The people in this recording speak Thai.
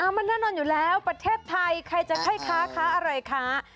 มันแน่นอนอยู่แล้วประเทศไทยใครจะให้ค้าค้าอะไรคะ